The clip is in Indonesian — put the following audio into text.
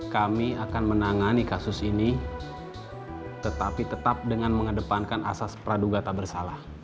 kami akan menangani kasus ini tetapi tetap dengan mengedepankan asas praduga tak bersalah